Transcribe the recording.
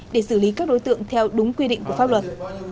để xử lý các đối tượng theo đúng quy định của pháp luật